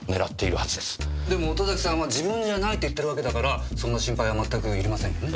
でも戸崎さんは自分じゃないって言ってるわけだからそんな心配はまったくいりませんよね。